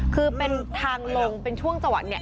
คือเป็นทางลงเป็นช่วงจังหวะเนี่ย